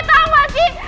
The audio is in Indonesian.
tau gak sih